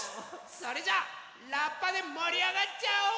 それじゃあラッパでもりあがっちゃおう！